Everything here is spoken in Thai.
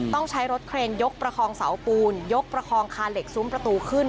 ต้องใช้รถเครนยกประคองเสาปูนยกประคองคาเหล็กซุ้มประตูขึ้น